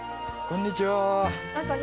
こんにちは。